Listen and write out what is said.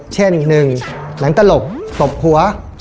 เช่น๑หลังตลกตบหัว